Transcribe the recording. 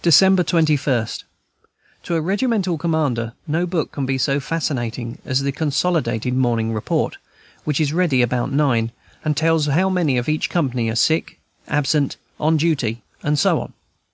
December 21. To a regimental commander no book can be so fascinating as the consolidated Morning Report, which is ready about nine, and tells how many in each company are sick, absent, on duty, and so on.